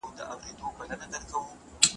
ما خپله خور د نوي کور د لیدلو لپاره تیاره کړه.